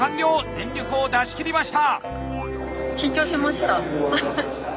全力を出し切りました！